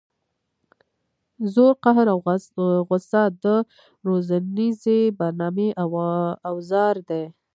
زور قهر او غصه د روزنیزې برنامې اوزار دي.